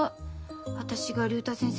私が竜太先生